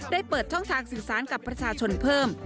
เปิดช่องทางสื่อสารกับประชาชนเพิ่ม